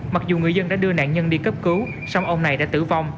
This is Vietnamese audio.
mặc dù người dân đã đưa nạn nhân đi cấp cứu xong ông này đã tử vong